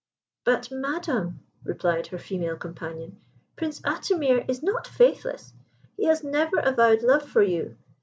"But, madam," replied her female companion, "Prince Atimir is not faithless; he has never avowed love for you.